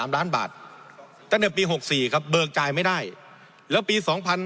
ด้านบาทเตะในปี๖๔ครับเบอร์กจ่ายไม่ได้แล้วปี